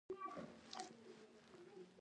هوښیار څوک دی چې خپل احساسات د عقل تر شا ږدي.